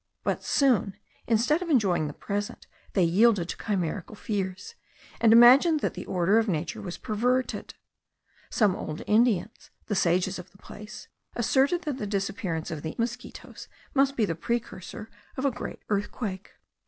But soon, instead of enjoying the present, they yielded to chimerical fears, and imagined that the order of nature was perverted. Some old Indians, the sages of the place, asserted that the disappearance of the insects must be the precursor of a great earthquake.